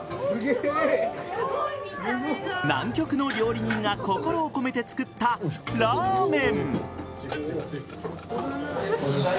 南極の料理人が心を込めて作ったラーメン。